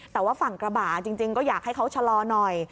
แต่ว่าฝั่งกระบะจริงก็อยากให้เขาชะลอหน่อย